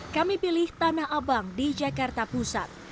kami pilih tanah abang di jakarta pusat